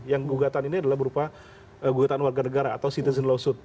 yang gugatan ini adalah berupa gugatan warga negara atau citizen lawsuit